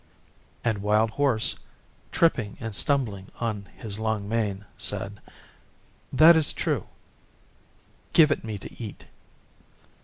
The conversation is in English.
And Wild Horse, tripping and stumbling on his long mane, said, 'That is true; give it me to eat.